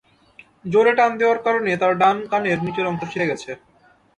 জোরে টান দেওয়ার কারণে তাঁর ডান কানের নিচের অংশ ছিঁড়ে গেছে।